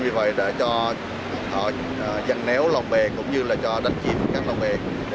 vì vậy đã cho họ dặn nếu lồng bè cũng như là cho đánh chiếm các lồng bè